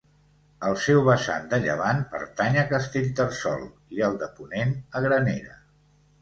El seu vessant de llevant pertany a Castellterçol, i el de ponent, a Granera.